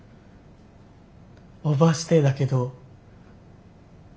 オーバーステイだけど。